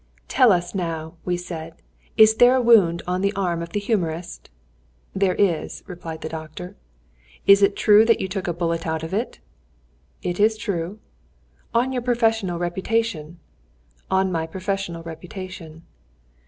"Tell us, now," we said, "is there a wound on the arm of the humorist?" "There is," replied the doctor. "Is it true that you took a bullet out of it?" "It is true." "On your professional reputation?" "On my professional reputation."